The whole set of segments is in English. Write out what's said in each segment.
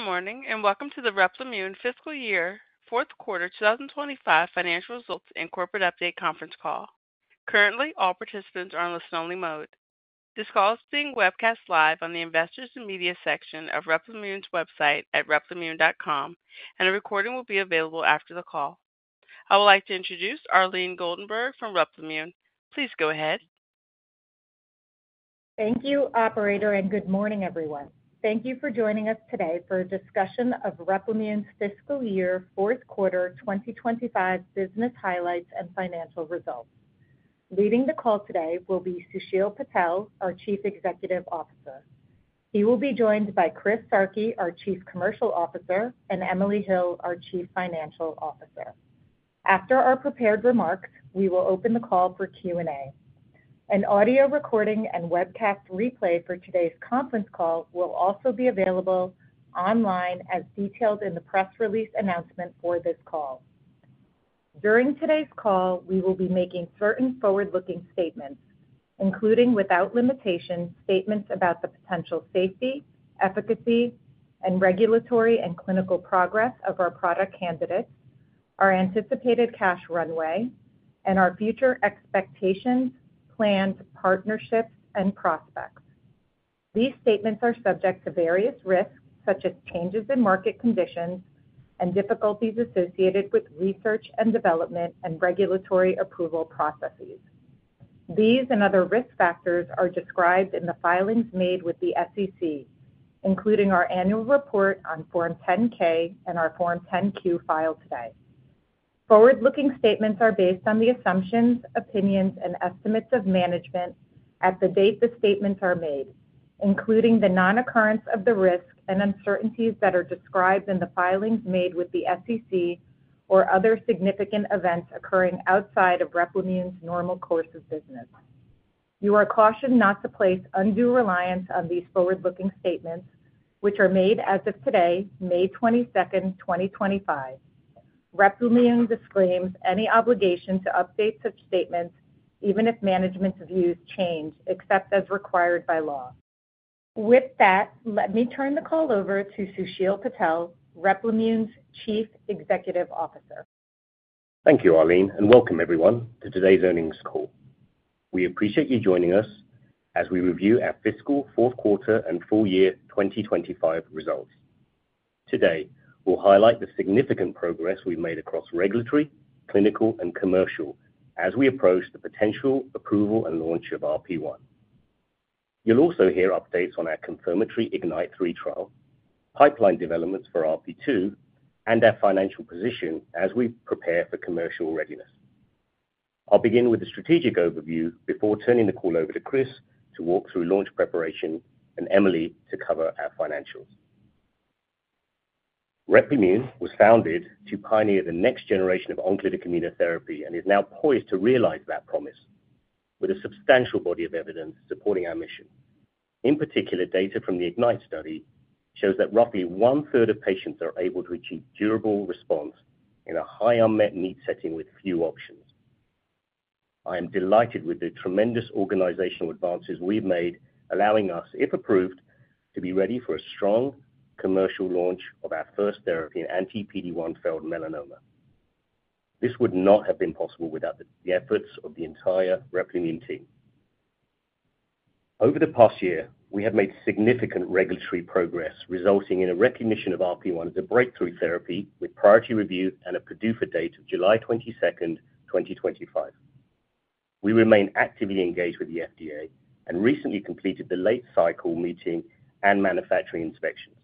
Good morning and welcome to the Replimune Fiscal Year Fourth Quarter 2025 Financial Results and Corporate Update Conference Call. Currently, all participants are in listen-only mode. This call is being webcast live on the Investors and Media section of Replimune's website at replimune.com, and a recording will be available after the call. I would like to introduce Arleen Goldenberg from Replimune. Please go ahead. Thank you, Operator, and good morning, everyone. Thank you for joining us today for a discussion of Replimune's Fiscal Year Fourth Quarter 2025 Business Highlights and Financial Results. Leading the call today will be Sushil Patel, our Chief Executive Officer. He will be joined by Chris Sarchi, our Chief Commercial Officer, and Emily Hill, our Chief Financial Officer. After our prepared remarks, we will open the call for Q&A. An audio recording and webcast replay for today's conference call will also be available online as detailed in the press release announcement for this call. During today's call, we will be making certain forward-looking statements, including without limitation statements about the potential safety, efficacy, and regulatory and clinical progress of our product candidates, our anticipated cash runway, and our future expectations, plans, partnerships, and prospects. These statements are subject to various risks such as changes in market conditions and difficulties associated with research and development and regulatory approval processes. These and other risk factors are described in the filings made with the SEC, including our annual report on Form 10-K and our Form 10-Q filed today. Forward-looking statements are based on the assumptions, opinions, and estimates of management at the date the statements are made, including the non-occurrence of the risk and uncertainties that are described in the filings made with the SEC or other significant events occurring outside of Replimune's normal course of business. You are cautioned not to place undue reliance on these forward-looking statements, which are made as of today, May 22nd, 2025. Replimune disclaims any obligation to update such statements, even if management's views change, except as required by law. With that, let me turn the call over to Sushil Patel, Replimune's Chief Executive Officer. Thank you, Arleen, and welcome everyone to today's earnings call. We appreciate you joining us as we review our fiscal fourth quarter and full year 2025 results. Today, we'll highlight the significant progress we've made across regulatory, clinical, and commercial as we approach the potential approval and launch of RP1. You'll also hear updates on our confirmatory IGNYTE-3 trial, pipeline developments for RP2, and our financial position as we prepare for commercial readiness. I'll begin with a strategic overview before turning the call over to Chris to walk through launch preparation and Emily to cover our financials. Replimune was founded to pioneer the next generation of oncolytic immunotherapy and is now poised to realize that promise with a substantial body of evidence supporting our mission. In particular, data from the Ignite study shows that roughly one-third of patients are able to achieve durable response in a high unmet need setting with few options. I am delighted with the tremendous organizational advances we've made, allowing us, if approved, to be ready for a strong commercial launch of our first therapy in anti-PD1-failed melanoma. This would not have been possible without the efforts of the entire Replimune team. Over the past year, we have made significant regulatory progress, resulting in a recognition of RP1 as a breakthrough therapy with priority review and a PDUFA date of July 22nd, 2025. We remain actively engaged with the FDA and recently completed the late cycle meeting and manufacturing inspections.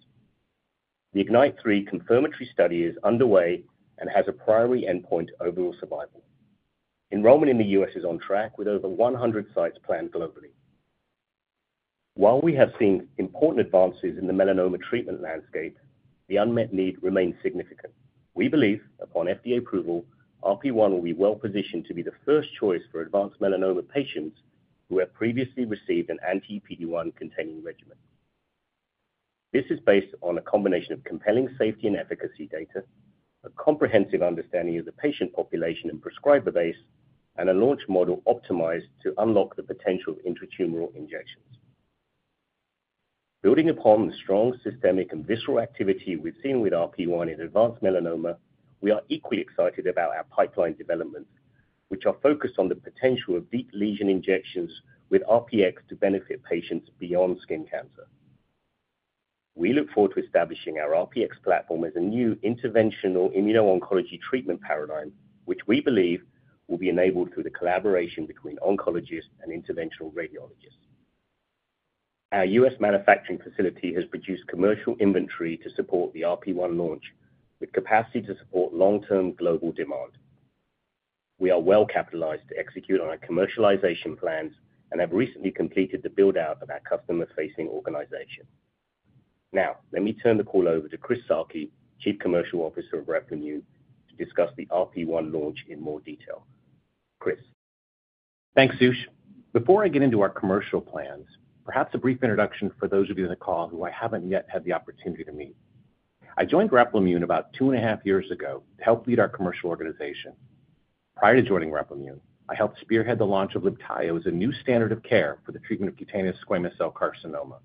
The IGNYTE-3 confirmatory study is underway and has a primary endpoint of overall survival. Enrollment in the U.S. is on track with over 100 sites planned globally. While we have seen important advances in the melanoma treatment landscape, the unmet need remains significant. We believe, upon FDA approval, RP1 will be well positioned to be the first choice for advanced melanoma patients who have previously received an anti-PD1-containing regimen. This is based on a combination of compelling safety and efficacy data, a comprehensive understanding of the patient population and prescriber base, and a launch model optimized to unlock the potential of intratumoral injections. Building upon the strong systemic and visceral activity we've seen with RP1 in advanced melanoma, we are equally excited about our pipeline developments, which are focused on the potential of deep lesion injections with RPX to benefit patients beyond skin cancer. We look forward to establishing our RPX platform as a new interventional immuno-oncology treatment paradigm, which we believe will be enabled through the collaboration between oncologists and interventional radiologists. Our U.S. manufacturing facility has produced commercial inventory to support the RP1 launch with capacity to support long-term global demand. We are well capitalized to execute on our commercialization plans and have recently completed the build-out of our customer-facing organization. Now, let me turn the call over to Chris Sarchi, Chief Commercial Officer of Replimune, to discuss the RP1 launch in more detail. Chris. Thanks, Sush. Before I get into our commercial plans, perhaps a brief introduction for those of you on the call who I haven't yet had the opportunity to meet. I joined Replimune about two and a half years ago to help lead our commercial organization. Prior to joining Replimune, I helped spearhead the launch of Libtayo as a new standard of care for the treatment of cutaneous squamous cell carcinoma.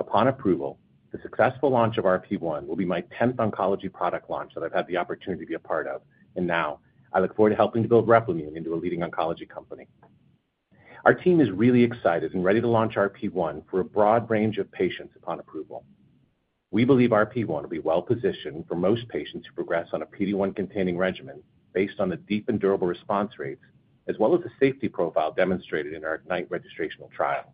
Upon approval, the successful launch of RP1 will be my 10th oncology product launch that I've had the opportunity to be a part of, and now I look forward to helping to build Replimune into a leading oncology company. Our team is really excited and ready to launch RP1 for a broad range of patients upon approval. We believe RP1 will be well positioned for most patients who progress on a PD1-containing regimen based on the deep and durable response rates, as well as the safety profile demonstrated in our Ignite registrational trial.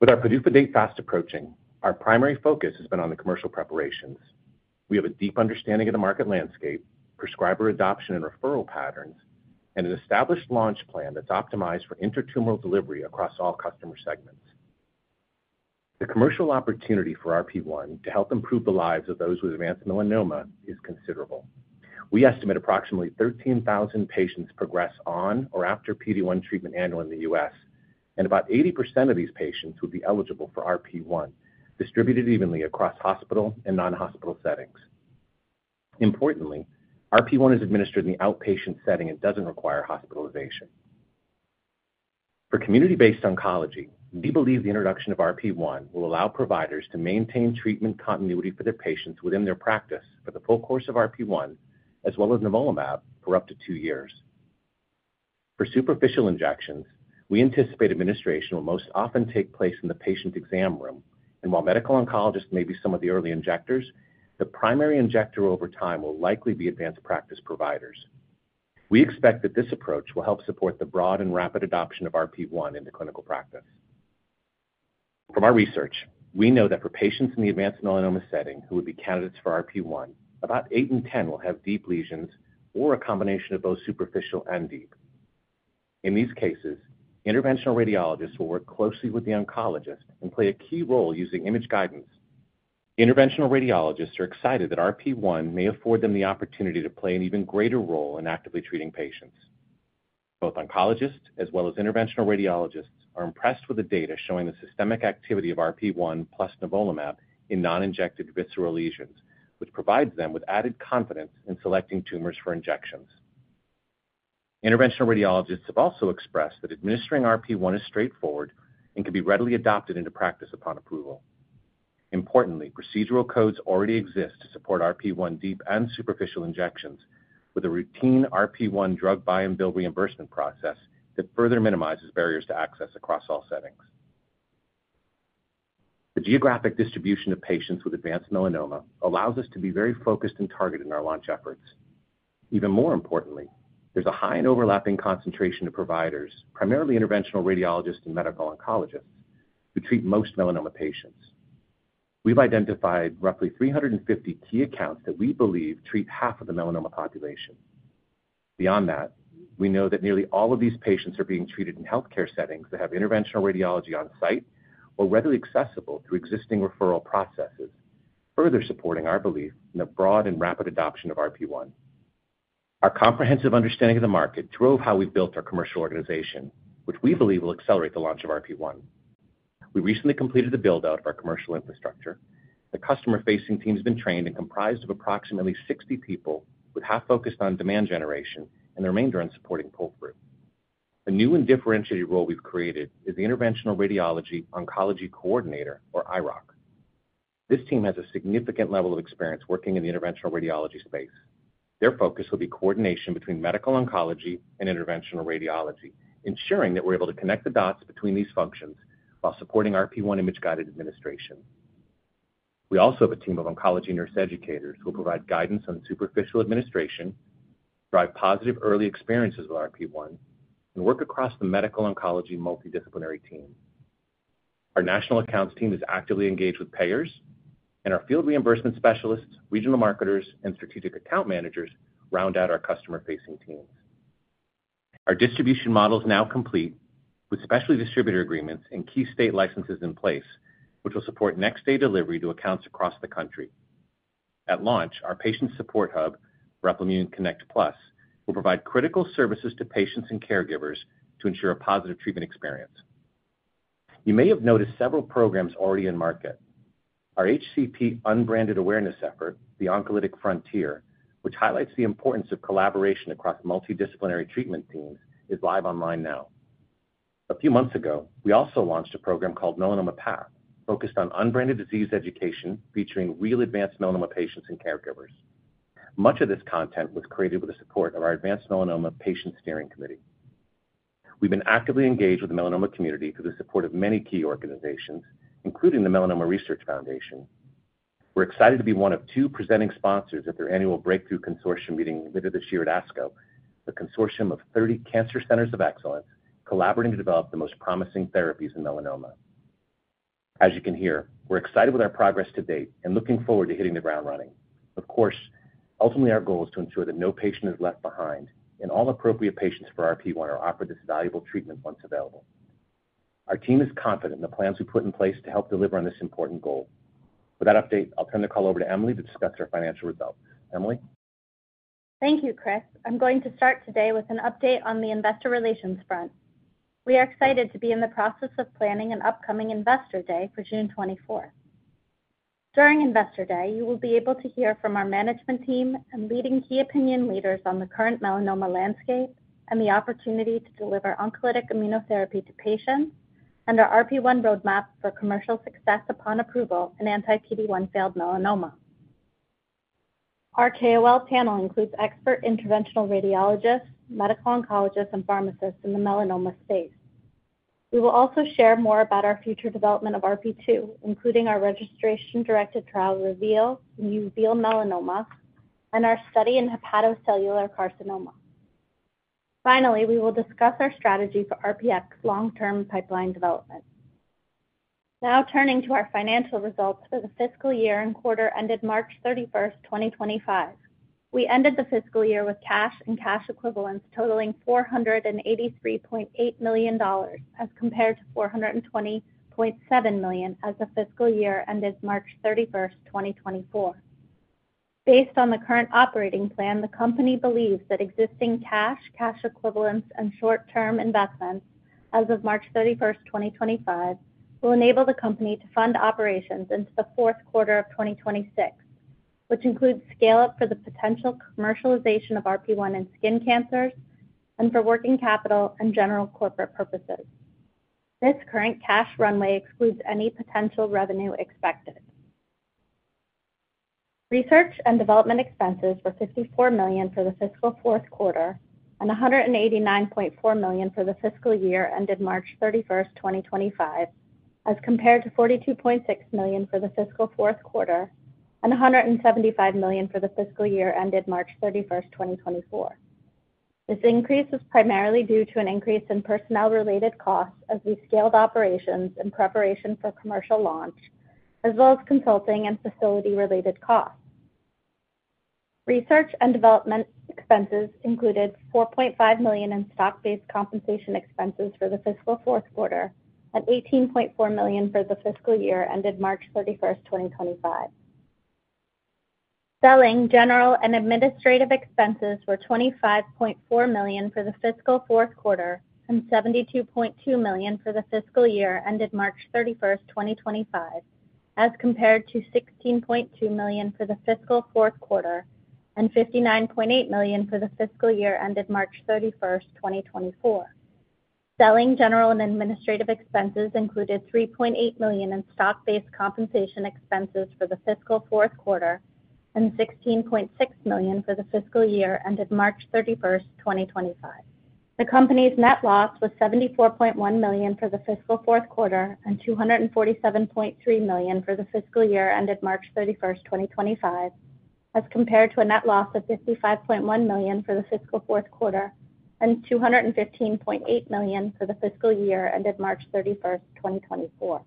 With our PDUFA date fast approaching, our primary focus has been on the commercial preparations. We have a deep understanding of the market landscape, prescriber adoption and referral patterns, and an established launch plan that's optimized for intratumoral delivery across all customer segments. The commercial opportunity for RP1 to help improve the lives of those with advanced melanoma is considerable. We estimate approximately 13,000 patients progress on or after PD1 treatment annually in the U.S., and about 80% of these patients would be eligible for RP1, distributed evenly across hospital and non-hospital settings. Importantly, RP1 is administered in the outpatient setting and doesn't require hospitalization. For community-based oncology, we believe the introduction of RP1 will allow providers to maintain treatment continuity for their patients within their practice for the full course of RP1, as well as nivolumab for up to two years. For superficial injections, we anticipate administration will most often take place in the patient exam room, and while medical oncologists may be some of the early injectors, the primary injector over time will likely be advanced practice providers. We expect that this approach will help support the broad and rapid adoption of RP1 into clinical practice. From our research, we know that for patients in the advanced melanoma setting who would be candidates for RP1, about 8 in 10 will have deep lesions or a combination of both superficial and deep. In these cases, interventional radiologists will work closely with the oncologist and play a key role using image guidance. Interventional radiologists are excited that RP1 may afford them the opportunity to play an even greater role in actively treating patients. Both oncologists as well as interventional radiologists are impressed with the data showing the systemic activity of RP1 plus nivolumab in non-injected visceral lesions, which provides them with added confidence in selecting tumors for injections. Interventional radiologists have also expressed that administering RP1 is straightforward and can be readily adopted into practice upon approval. Importantly, procedural codes already exist to support RP1 deep and superficial injections with a routine RP1 drug buy-and-build reimbursement process that further minimizes barriers to access across all settings. The geographic distribution of patients with advanced melanoma allows us to be very focused and targeted in our launch efforts. Even more importantly, there's a high and overlapping concentration of providers, primarily interventional radiologists and medical oncologists, who treat most melanoma patients. We've identified roughly 350 key accounts that we believe treat half of the melanoma population. Beyond that, we know that nearly all of these patients are being treated in healthcare settings that have interventional radiology on site or readily accessible through existing referral processes, further supporting our belief in a broad and rapid adoption of RP1. Our comprehensive understanding of the market drove how we've built our commercial organization, which we believe will accelerate the launch of RP1. We recently completed the build-out of our commercial infrastructure. The customer-facing team has been trained and comprised of approximately 60 people, with half focused on demand generation and the remainder on supporting pull-through. A new and differentiated role we've created is the Interventional Radiology Oncology Coordinator, or IROC. This team has a significant level of experience working in the interventional radiology space. Their focus will be coordination between medical oncology and interventional radiology, ensuring that we're able to connect the dots between these functions while supporting RP1 image-guided administration. We also have a team of oncology nurse educators who will provide guidance on superficial administration, drive positive early experiences with RP1, and work across the medical oncology multidisciplinary team. Our national accounts team is actively engaged with payers, and our field reimbursement specialists, regional marketers, and strategic account managers round out our customer-facing teams. Our distribution model is now complete with specialty distributor agreements and key state licenses in place, which will support next-day delivery to accounts across the country. At launch, our patient support hub, Replimune Connect Plus, will provide critical services to patients and caregivers to ensure a positive treatment experience. You may have noticed several programs already in market. Our HCP unbranded awareness effort, The Oncolytic Frontier, which highlights the importance of collaboration across multidisciplinary treatment teams, is live online now. A few months ago, we also launched a program called Melanoma Path, focused on unbranded disease education featuring real advanced melanoma patients and caregivers. Much of this content was created with the support of our Advanced Melanoma Patient Steering Committee. We've been actively engaged with the melanoma community through the support of many key organizations, including the Melanoma Research Foundation. We're excited to be one of two presenting sponsors at their annual Breakthrough Consortium meeting later this year at ASCO, a consortium of 30 cancer centers of excellence collaborating to develop the most promising therapies in melanoma. As you can hear, we're excited with our progress to date and looking forward to hitting the ground running. Of course, ultimately, our goal is to ensure that no patient is left behind, and all appropriate patients for RP1 are offered this valuable treatment once available. Our team is confident in the plans we put in place to help deliver on this important goal. With that update, I'll turn the call over to Emily to discuss our financial results. Emily. Thank you, Chris. I'm going to start today with an update on the investor relations front. We are excited to be in the process of planning an upcoming Investor Day for June 24. During Investor Day, you will be able to hear from our management team and leading key opinion leaders on the current melanoma landscape and the opportunity to deliver oncolytic immunotherapy to patients and our RP1 roadmap for commercial success upon approval in anti-PD1-failed melanoma. Our KOL panel includes expert interventional radiologists, medical oncologists, and pharmacists in the melanoma space. We will also share more about our future development of RP2, including our registration-directed trial REVEAL and uveal melanoma and our study in hepatocellular carcinoma. Finally, we will discuss our strategy for RPX long-term pipeline development. Now turning to our financial results for the fiscal year and quarter ended March 31st, 2025. We ended the fiscal year with cash and cash equivalents totaling $483.8 million as compared to $420.7 million as the fiscal year ended March 31st, 2024. Based on the current operating plan, the company believes that existing cash, cash equivalents, and short-term investments as of March 31st, 2025, will enable the company to fund operations into the fourth quarter of 2026, which includes scale-up for the potential commercialization of RP1 in skin cancers and for working capital and general corporate purposes. This current cash runway excludes any potential revenue expected. Research and development expenses were $54 million for the fiscal fourth quarter and $189.4 million for the fiscal year ended March 31st, 2025, as compared to $42.6 million for the fiscal fourth quarter and $175 million for the fiscal year ended March 31st, 2024. This increase is primarily due to an increase in personnel-related costs as we scaled operations in preparation for commercial launch, as well as consulting and facility-related costs. Research and development expenses included $4.5 million in stock-based compensation expenses for the fiscal fourth quarter and $18.4 million for the fiscal year ended March 31st, 2025. Selling general and administrative expenses were $25.4 million for the fiscal fourth quarter and $72.2 million for the fiscal year ended March 31st, 2025, as compared to $16.2 million for the fiscal fourth quarter and $59.8 million for the fiscal year ended March 31st, 2024. Selling general and administrative expenses included $3.8 million in stock-based compensation expenses for the fiscal fourth quarter and $16.6 million for the fiscal year ended March 31st, 2025. The company's net loss was $74.1 million for the fiscal fourth quarter and $247.3 million for the fiscal year ended March 31st, 2025, as compared to a net loss of $55.1 million for the fiscal fourth quarter and $215.8 million for the fiscal year ended March 31st, 2024.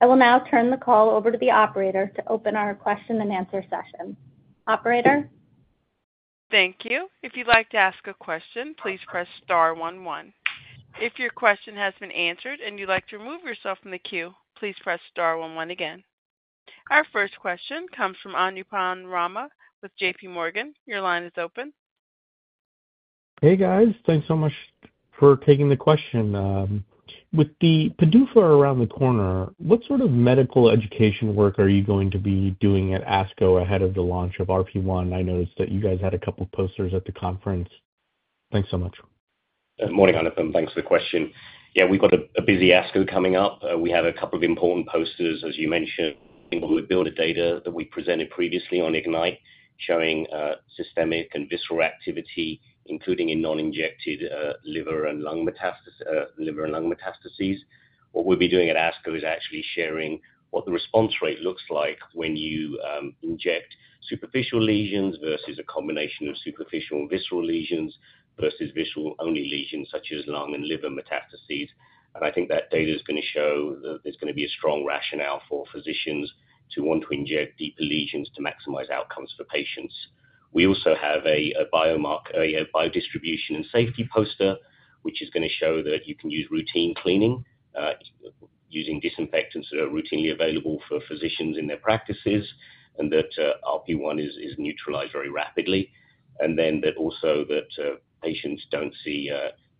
I will now turn the call over to the operator to open our question and answer session. Operator. Thank you. If you'd like to ask a question, please press star one one. If your question has been answered and you'd like to remove yourself from the queue, please press star one onm again. Our first question comes from Anupam Rama with JPMorgan. Your line is open. Hey, guys. Thanks so much for taking the question. With the PDUFA around the corner, what sort of medical education work are you going to be doing at ASCO ahead of the launch of RP1? I noticed that you guys had a couple of posters at the conference. Thanks so much. Good morning, Anupam. Thanks for the question. Yeah, we've got a busy ASCO coming up. We have a couple of important posters, as you mentioned, with build-a-data that we presented previously on IGNYTE, showing systemic and visceral activity, including in non-injected liver and lung metastases. What we'll be doing at ASCO is actually sharing what the response rate looks like when you inject superficial lesions versus a combination of superficial and visceral lesions versus visceral-only lesions such as lung and liver metastases. I think that data is going to show that there's going to be a strong rationale for physicians to want to inject deeper lesions to maximize outcomes for patients. We also have a biodistribution and safety poster, which is going to show that you can use routine cleaning using disinfectants that are routinely available for physicians in their practices, and that RP1 is neutralized very rapidly. That also that patients do not see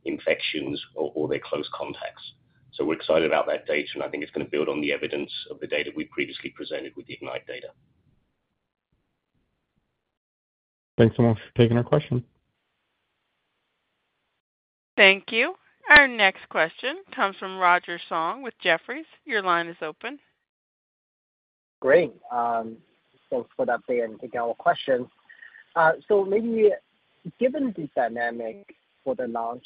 infections or their close contacts. We are excited about that data, and I think it is going to build on the evidence of the data we previously presented with the IGNYTE data. Thanks so much for taking our question. Thank you. Our next question comes from Roger Song with Jefferies. Your line is open. Great. Thanks for the update and taking our questions. Maybe given the dynamic for the launch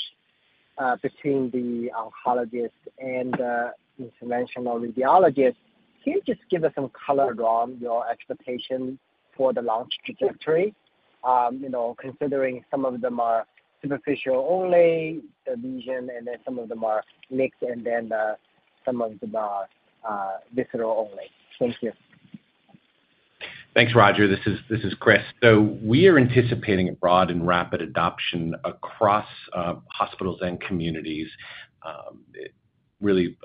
between the oncologist and the interventional radiologist, can you just give us some color on your expectation for the launch trajectory, considering some of them are superficial-only lesions, and then some of them are mixed, and then some of them are visceral-only? Thank you. Thanks, Roger. This is Chris. We are anticipating a broad and rapid adoption across hospitals and communities, really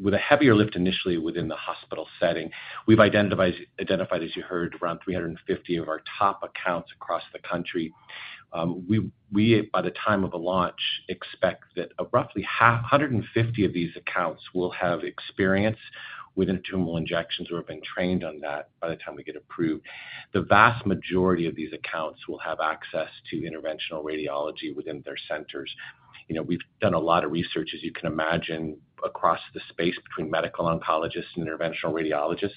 with a heavier lift initially within the hospital setting. We have identified, as you heard, around 350 of our top accounts across the country. By the time of the launch, we expect that roughly 150 of these accounts will have experience with tumor injections or have been trained on that by the time we get approved. The vast majority of these accounts will have access to interventional radiology within their centers. We have done a lot of research, as you can imagine, across the space between medical oncologists and interventional radiologists.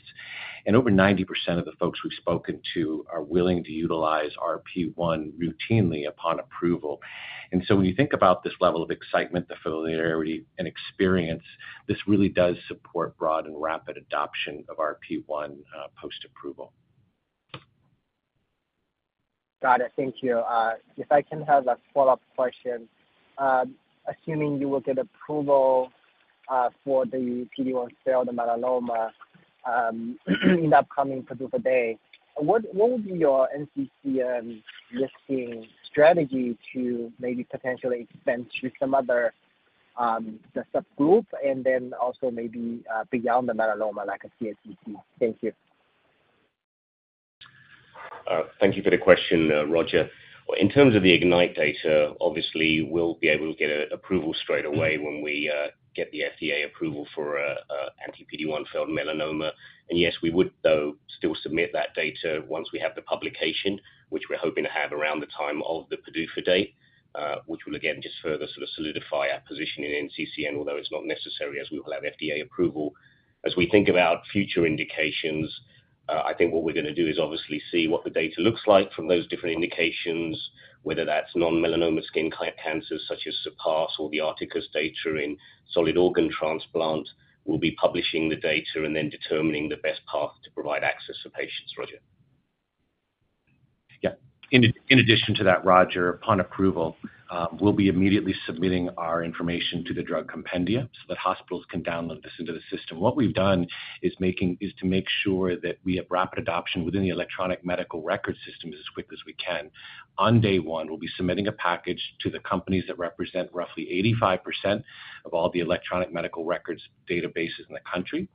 Over 90% of the folks we have spoken to are willing to utilize RP1 routinely upon approval. When you think about this level of excitement, the familiarity, and experience, this really does support broad and rapid adoption of RP1 post-approval. Got it. Thank you. If I can have a follow-up question, assuming you will get approval for the PD1-failed melanoma in the upcoming PDUFA date, what would be your NCCN listing strategy to maybe potentially expand to some other subgroup and then also maybe beyond the melanoma like a CSCC? Thank you. Thank you for the question, Roger. In terms of the IGNYTE data, obviously, we'll be able to get approval straight away when we get the FDA approval for anti-PD1-failed melanoma. Yes, we would, though, still submit that data once we have the publication, which we're hoping to have around the time of the PDUFA date, which will, again, just further sort of solidify our position in NCCN, although it's not necessary as we will have FDA approval. As we think about future indications, I think what we're going to do is obviously see what the data looks like from those different indications, whether that's non-melanoma skin cancers such as SURPASS or the Arcticus data in solid organ transplant. We'll be publishing the data and then determining the best path to provide access for patients, Roger. Yeah. In addition to that, Roger, upon approval, we'll be immediately submitting our information to the Drug Compendia so that hospitals can download this into the system. What we've done is to make sure that we have rapid adoption within the electronic medical record system as quick as we can. On day one, we'll be submitting a package to the companies that represent roughly 85% of all the electronic medical records databases in the country.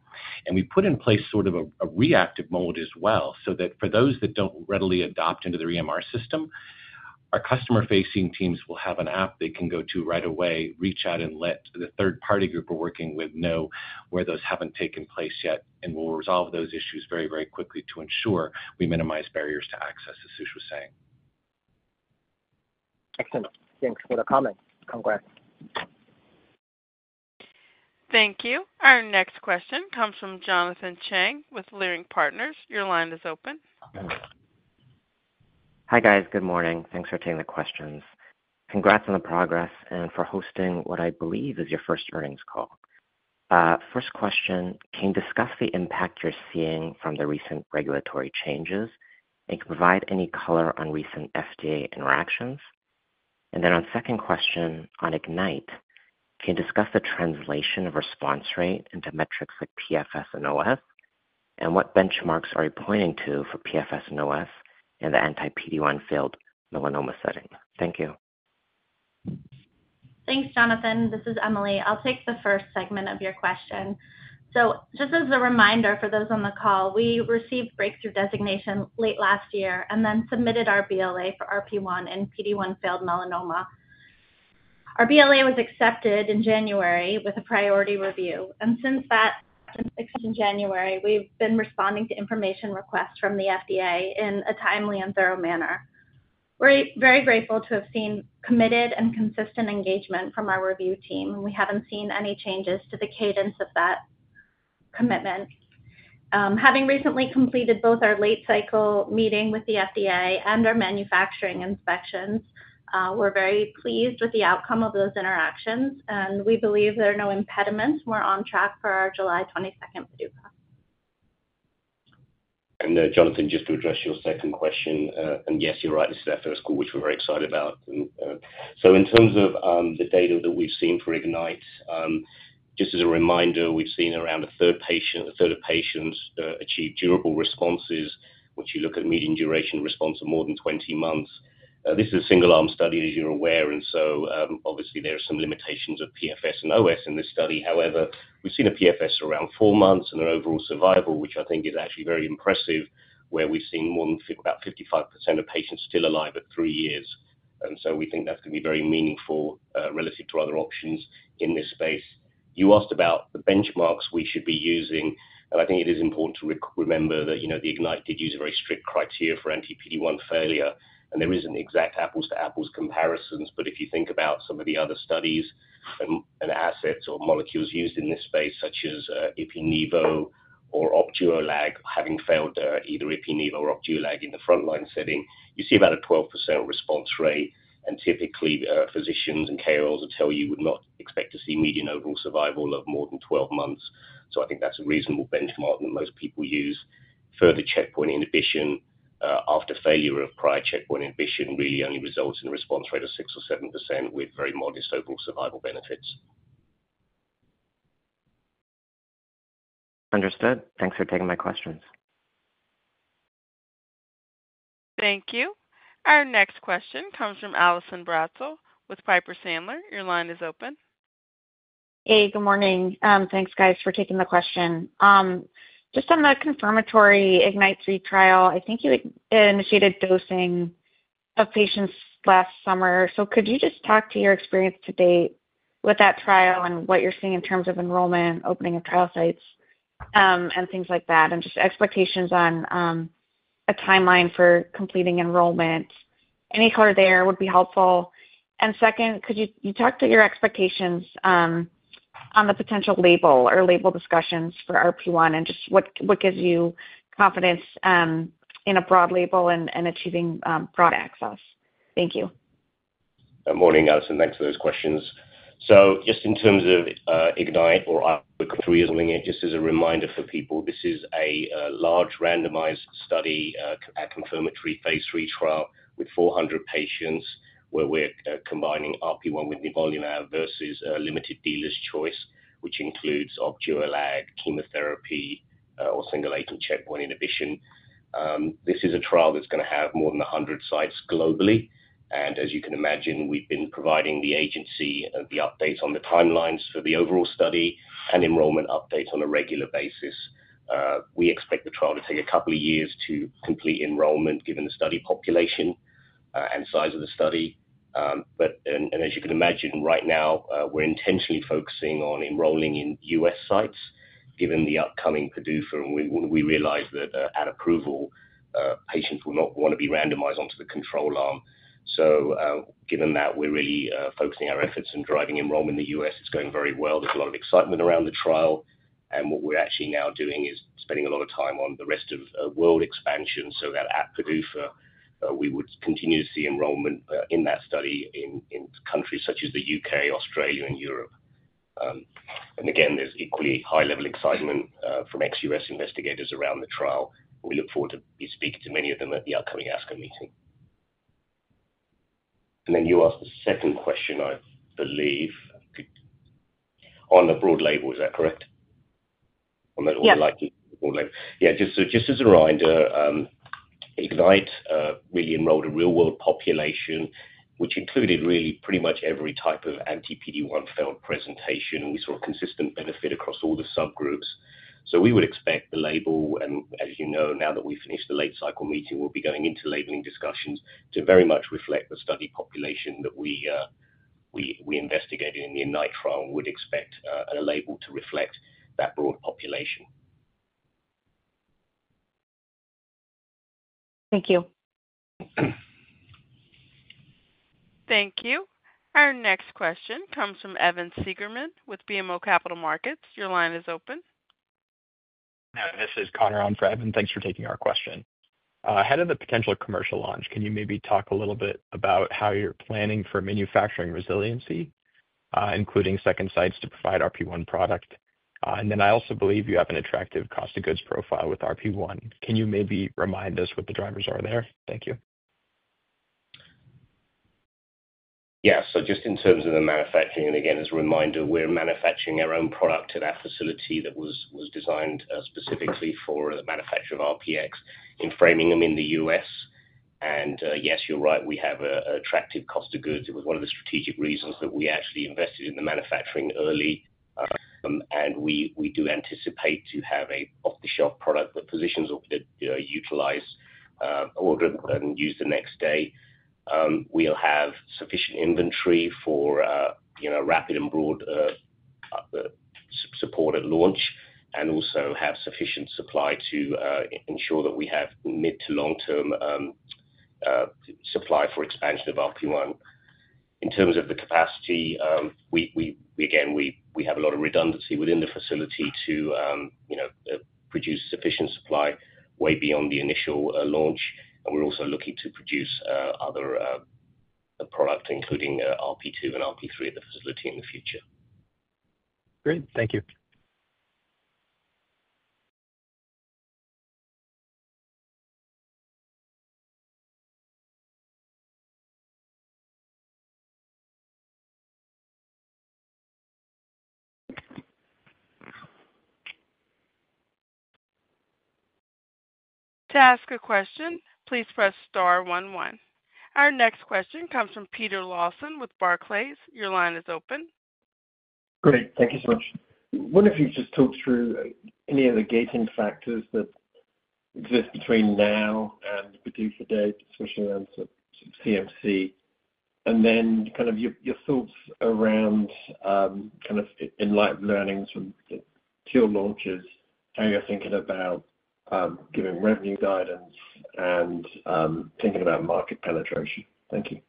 We put in place sort of a reactive mode as well so that for those that don't readily adopt into the EMR system, our customer-facing teams will have an app they can go to right away, reach out, and let the third-party group we're working with know where those haven't taken place yet. We'll resolve those issues very, very quickly to ensure we minimize barriers to access, as Sushil was saying. Excellent. Thanks for the comments. Congrats. Thank you. Our next question comes from Jonathan Chang with Leerink Partners. Your line is open. Hi, guys. Good morning. Thanks for taking the questions. Congrats on the progress and for hosting what I believe is your first earnings call. First question, can you discuss the impact you're seeing from the recent regulatory changes? Can you provide any color on recent FDA interactions? Our second question on IGNYTE, can you discuss the translation of response rate into metrics like PFS and OS? What benchmarks are you pointing to for PFS and OS in the anti-PD1-filled melanoma setting? Thank you. Thanks, Jonathan. This is Emily. I'll take the first segment of your question. Just as a reminder for those on the call, we received breakthrough designation late last year and then submitted our BLA for RP1 in PD1-failed melanoma. Our BLA was accepted in January with a priority review. Since that acceptance in January, we've been responding to information requests from the FDA in a timely and thorough manner. We're very grateful to have seen committed and consistent engagement from our review team. We haven't seen any changes to the cadence of that commitment. Having recently completed both our late-cycle meeting with the FDA and our manufacturing inspections, we're very pleased with the outcome of those interactions. We believe there are no impediments. We're on track for our July 22nd PDUFA. Jonathan, just to address your second question. Yes, you're right. This is our first call, which we're very excited about. In terms of the data that we've seen for IGNYTE, just as a reminder, we've seen around a third of patients achieve durable responses, which, if you look at median duration of response, is more than 20 months. This is a single-arm study, as you're aware. Obviously, there are some limitations of PFS and OS in this study. However, we've seen a PFS around four months and an overall survival, which I think is actually very impressive, where we've seen about 55% of patients still alive at three years. We think that's going to be very meaningful relative to other options in this space. You asked about the benchmarks we should be using. I think it is important to remember that the IGNYTE did use a very strict criteria for anti-PD1 failure. There isn't exact apples-to-apples comparisons. If you think about some of the other studies and assets or molecules used in this space, such as Ipi Nivo or Opdualag, having failed either Ipi Nivo or Opdualag in the frontline setting, you see about a 12% response rate. Typically, physicians and KOLs will tell you you would not expect to see median overall survival of more than 12 months. I think that's a reasonable benchmark that most people use. Further checkpoint inhibition after failure of prior checkpoint inhibition really only results in a response rate of 6-7% with very modest overall survival benefits. Understood. Thanks for taking my questions. Thank you. Our next question comes from Allison Bratzel with Piper Sandler. Your line is open. Hey, good morning. Thanks, guys, for taking the question. Just on the confirmatory IGNYTE-3 trial, I think you initiated dosing of patients last summer. Could you just talk to your experience to date with that trial and what you're seeing in terms of enrollment, opening of trial sites, and things like that, and just expectations on a timeline for completing enrollment? Any color there would be helpful. Second, could you talk to your expectations on the potential label or label discussions for RP1 and just what gives you confidence in a broad label and achieving broad access? Thank you. Good morning, Allison. Thanks for those questions. Just in terms of IGNYTE or RP3, just as a reminder for people, this is a large randomized study, a confirmatory phase 3 trial with 400 patients where we're combining RP1 with Nivolumab versus a limited dealer's choice, which includes Opdualag, chemotherapy, or single-agent checkpoint inhibition. This is a trial that's going to have more than 100 sites globally. As you can imagine, we've been providing the agency the updates on the timelines for the overall study and enrollment updates on a regular basis. We expect the trial to take a couple of years to complete enrollment given the study population and size of the study. As you can imagine, right now, we're intentionally focusing on enrolling in U.S. sites given the upcoming PDUFA. We realize that at approval, patients will not want to be randomized onto the control arm. Given that, we're really focusing our efforts in driving enrollment in the U.S. It's going very well. There's a lot of excitement around the trial. What we're actually now doing is spending a lot of time on the rest of world expansion so that at PDUFA, we would continue to see enrollment in that study in countries such as the U.K., Australia, and Europe. Again, there's equally high-level excitement from ex-U.S. investigators around the trial. We look forward to speaking to many of them at the upcoming ASCO meeting. You asked the second question, I believe, on the broad label. Is that correct? On the broad label? Just as a reminder, IGNYTE really enrolled a real-world population, which included really pretty much every type of anti-PD1-failed presentation. We saw a consistent benefit across all the subgroups. We would expect the label, and as you know, now that we finished the late-cycle meeting, we will be going into labeling discussions to very much reflect the study population that we investigated in the IGNYTE trial and would expect a label to reflect that broad population. Thank you. Thank you. Our next question comes from Evan Seigerman with BMO Capital Markets. Your line is open. This is Connor on for Evan. Thanks for taking our question. Ahead of the potential commercial launch, can you maybe talk a little bit about how you're planning for manufacturing resiliency, including second sites to provide RP1 product? I also believe you have an attractive cost of goods profile with RP1. Can you maybe remind us what the drivers are there? Thank you. Yeah. Just in terms of the manufacturing, and again, as a reminder, we're manufacturing our own product at our facility that was designed specifically for the manufacture of RPX in Framingham in the U.S. Yes, you're right. We have an attractive cost of goods. It was one of the strategic reasons that we actually invested in the manufacturing early. We do anticipate to have an off-the-shelf product that physicians will utilize and use the next day. We'll have sufficient inventory for rapid and broad support at launch and also have sufficient supply to ensure that we have mid to long-term supply for expansion of RP1. In terms of the capacity, again, we have a lot of redundancy within the facility to produce sufficient supply way beyond the initial launch. We're also looking to produce other products, including RP2 and RP3 at the facility in the future. Great. Thank you. To ask a question, please press star one one. Our next question comes from Peter Lawson with Barclays. Your line is open. Great. Thank you so much. I wonder if you could just talk through any of the gating factors that exist between now and the PDUFA date, especially around CMC? And then kind of your thoughts around kind of in light of learnings from the two launches, how you're thinking about giving revenue guidance and thinking about market penetration. Thank you.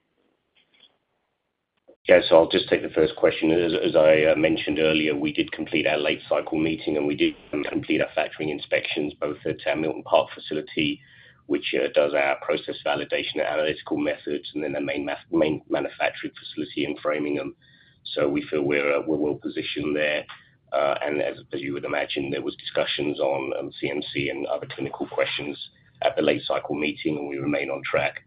Yeah. I'll just take the first question. As I mentioned earlier, we did complete our late-cycle meeting, and we did complete our factory inspections both at our Milton Park facility, which does our process validation and analytical methods, and then our main manufacturing facility in Framingham. We feel we're well positioned there. As you would imagine, there were discussions on CMC and other clinical questions at the late-cycle meeting, and we remain on track.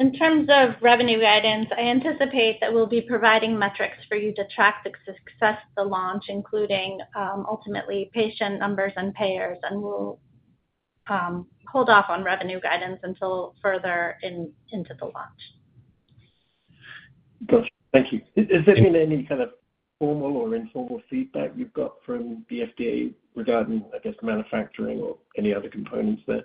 In terms of revenue guidance, I anticipate that we'll be providing metrics for you to track the success of the launch, including ultimately patient numbers and payers. We'll hold off on revenue guidance until further into the launch. Gotcha. Thank you. Has there been any kind of formal or informal feedback you've got from the FDA regarding, I guess, manufacturing or any other components there?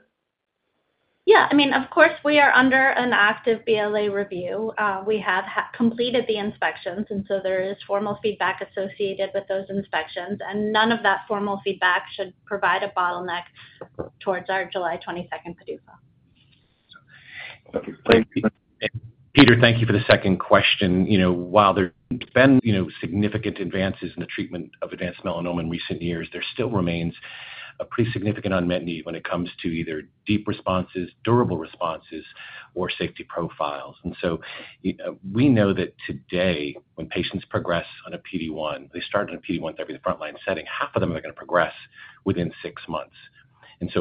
Yeah. I mean, of course, we are under an active BLA review. We have completed the inspections. There is formal feedback associated with those inspections. None of that formal feedback should provide a bottleneck towards our July 22 PDUFA. Peter, thank you for the second question. While there have been significant advances in the treatment of advanced melanoma in recent years, there still remains a pretty significant unmet need when it comes to either deep responses, durable responses, or safety profiles. We know that today, when patients progress on a PD1, they start on a PD1 therapy in the frontline setting, half of them are going to progress within six months.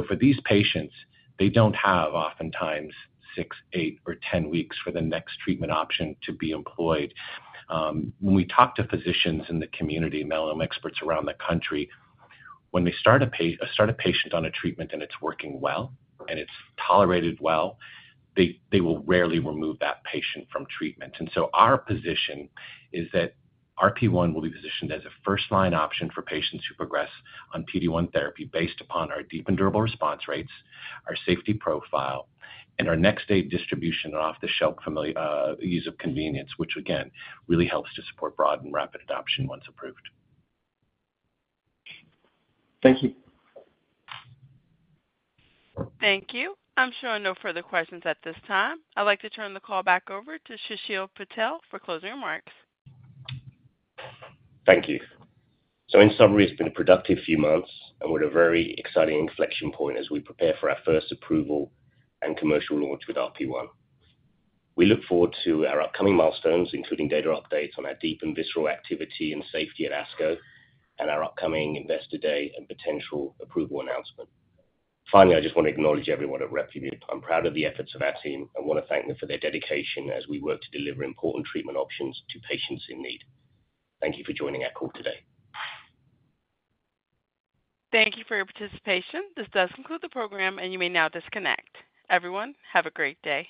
For these patients, they do not have oftentimes six, eight, or 10 weeks for the next treatment option to be employed. When we talk to physicians in the community, melanoma experts around the country, when they start a patient on a treatment and it is working well and it is tolerated well, they will rarely remove that patient from treatment. Our position is that RP1 will be positioned as a first-line option for patients who progress on PD1 therapy based upon our deep and durable response rates, our safety profile, and our next-day distribution and off-the-shelf ease of convenience, which again, really helps to support broad and rapid adoption once approved. Thank you. Thank you. I'm sure no further questions at this time. I'd like to turn the call back over to Sushil Patel for closing remarks. Thank you. In summary, it's been a productive few months and with a very exciting inflection point as we prepare for our first approval and commercial launch with RP1. We look forward to our upcoming milestones, including data updates on our deep and visceral activity and safety at ASCO and our upcoming Investor Day and potential approval announcement. Finally, I just want to acknowledge everyone at Replimune. I'm proud of the efforts of our team and want to thank them for their dedication as we work to deliver important treatment options to patients in need. Thank you for joining our call today. Thank you for your participation. This does conclude the program, and you may now disconnect. Everyone, have a great day.